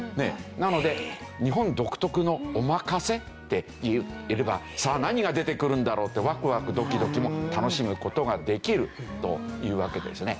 なので日本独特の「おまかせ」って言えば「何が出てくるんだろう？」ってワクワクドキドキも楽しむ事ができるというわけですよね。